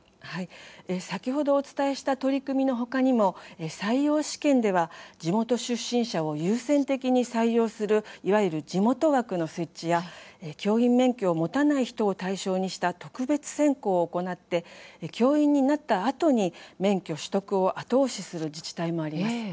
先ほどお伝えした取り組みの他にも採用試験では地元出身者を優先的に採用するいわゆる地元枠の設置や教員免許を持たない人を対象にした特別選考を行って教員になったあとに免許取得を後押しする自治体もあります。